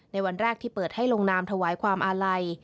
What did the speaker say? วันแรกที่เปิดให้ลงนามถวายความอาลัย